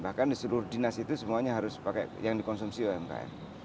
bahkan di seluruh dinas itu semuanya harus pakai yang dikonsumsi umkm